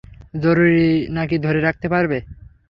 জরুরী নাকি ধরে রাখতে পারবে?